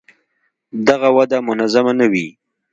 دغه وده منظمه نه وي.